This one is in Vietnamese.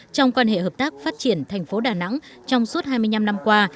trong quan hệ hợp tác phát triển thành phố đà nẵng trong suốt hai mươi năm năm qua